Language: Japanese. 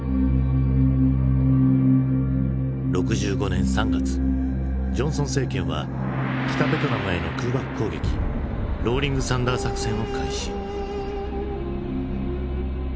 ６５年３月ジョンソン政権は北ベトナムへの空爆攻撃ローリング・サンダー作戦を開始。